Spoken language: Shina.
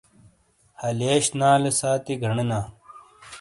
ہلیئیش نالے ساتی گنینا۔